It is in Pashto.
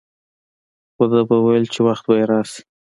خو ده به ويل چې وخت به يې راسي.